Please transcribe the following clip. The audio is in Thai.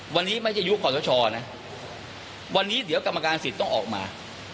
วันนี้ไม่ใช่ยุคขอสชนะวันนี้เดี๋ยวกรรมการสิทธิ์ต้องออกมา